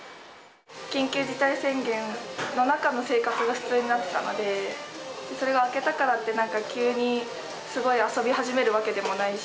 緊急事態宣言の中の生活が普通になったので、それが明けたからって、なんか急にすごい遊び始めるわけでもないし、